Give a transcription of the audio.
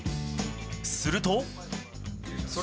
すると。